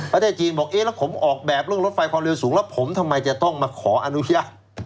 ประเทศจีนบอกเอ๊ะแล้วผมออกแบบเรื่องรถไฟความเร็วสูงแล้วผมทำไมจะต้องมาขออนุญาต